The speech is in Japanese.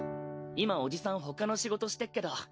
今おじさんほかの仕事してっけど。